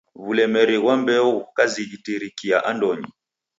W'ulemeri ghwa mbeo ghukazitirikia andonyi.